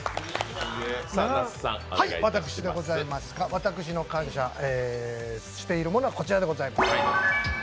私の感謝しているものはこちらでございます。